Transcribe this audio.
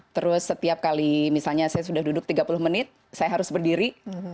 terus setiap kali misalnya saya sudah duduk tiga puluh menit saya harus berdiri